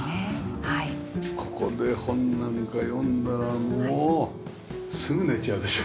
ここで本なんか呼んだらもうすぐ寝ちゃうでしょ。